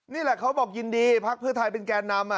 นี่แหละเขาบอกยินดีพักเพื่อไทยเป็นแก่นำ